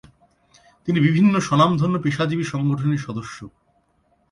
তিনি বিভিন্ন স্বনামধন্য পেশাজীবী সংগঠনের সদস্য।